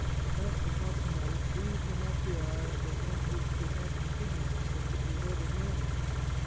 That was not the mouth, these were not the eyes, of one who would act in ignorance, or could be led at random.